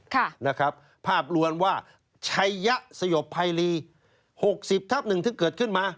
ค่ะนะครับภาพรวมว่าไชยสยบไพรี๖๐ทับ๑ถึงเกิดขึ้นมา